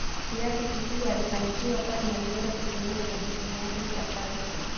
kiasi kikubwa alifanikiwa kwani aliweza kutimiza majukumu yake ipasavyo